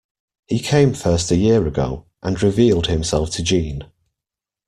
He came first a year ago, and revealed himself to Jeanne.